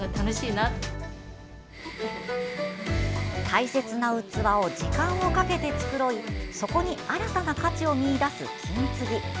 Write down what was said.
大切な器を時間をかけて繕いそこに新たな価値を見いだす金継ぎ。